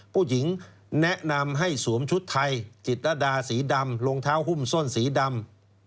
ผู้หญิงแนะนำให้สวมชุดไทยจิตรดาสีดำรองเท้าหุ้มส้นสีดำ